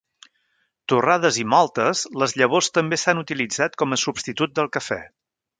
Torrades i moltes, les llavors també s'han utilitzat com a substitut del cafè.